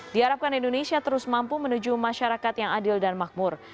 diharapkan indonesia terus mampu menuju masyarakat yang adil dan makmur